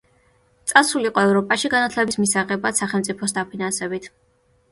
წასულიყო ევროპაში განათლების მისაღებად სახელმწიფოს დაფინანსებით.